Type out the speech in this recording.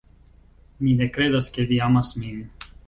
Mi ne kredas ke vi amas min.